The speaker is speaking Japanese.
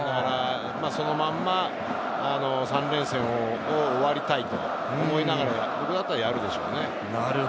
そのまんま３連戦を終わりたいと思いながら、僕だったらやるでしょうね。